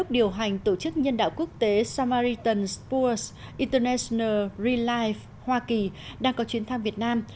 điều hành tổ chức nhân đạo quốc tế samaritan sports international relive hoa kỳ đang có chuyến thăm việt nam